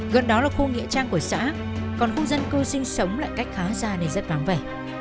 gần đó là khu nghĩa trang của xã còn khu dân cư sinh sống lại cách khá xa nên rất vắng vẻ